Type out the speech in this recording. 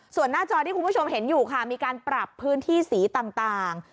ส่วนหน้าจอที่คุณผู้ชมเห็นอยู่ค่ะมีการปรับพื้นที่สีต่าง